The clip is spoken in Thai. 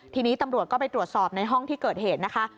ทีนี้ตำรวจก็ไปตรวจสอบในห้องที่เกิดเหตุนะคะ